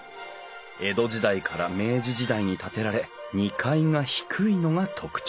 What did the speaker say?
江戸時代から明治時代に建てられ２階が低いのが特徴。